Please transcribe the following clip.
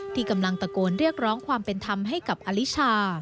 ที่กำลังตะโกนเรียกร้องความเป็นธรรมให้กับอลิชา